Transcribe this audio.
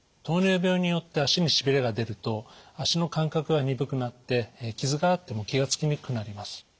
糖尿病によって足のしびれが出ると足の感覚が鈍くなって傷があっても気が付きにくくなります。